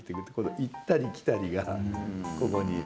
行ったり来たりがここに。